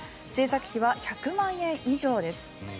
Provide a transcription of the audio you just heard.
制作費は１００万円以上です。